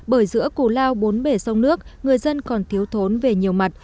bởi giữa củ lao bốn bể sông nước người dân còn thiếu thốn về nhiều mặt